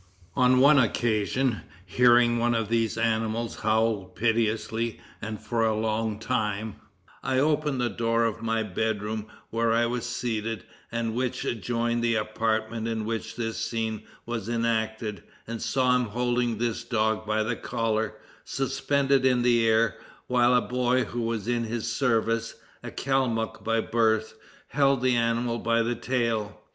On one occasion, hearing one of these animals howl piteously and for a long time, I opened the door of my bed room, where I was seated, and which adjoined the apartment in which this scene was enacted, and saw him holding this dog by the collar, suspended in the air, while a boy, who was in his service, a Kalmuck by birth, held the animal by the tail.